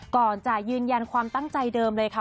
ก่อนจะยืนยันความตั้งใจเดิมเลยค่ะ